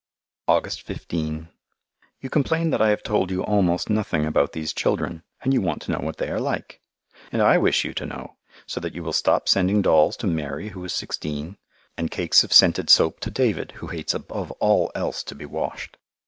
August 15 You complain that I have told you almost nothing about these children, and you want to know what they are like. And I wish you to know, so that you will stop sending dolls to Mary who is sixteen, and cakes of scented soap to David who hates above all else to be washed.